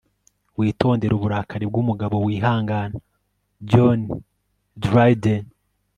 witondere uburakari bw'umugabo wihangana. - john dryden